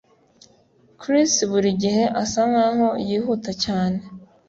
Chris buri gihe asa nkaho yihuta cyane